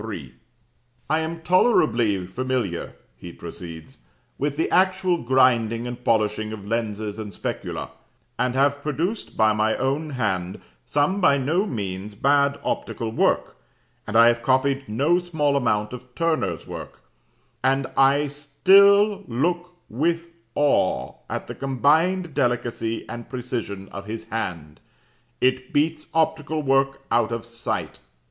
3: "'I am tolerably familiar,' he proceeds, 'with the actual grinding and polishing of lenses and specula, and have produced by my own hand some by no means bad optical work, and I have copied no small amount of Turner's work, and I still look with awe at the combined delicacy and precision of his hand; IT BEATS OPTICAL WORK OUT OF SIGHT.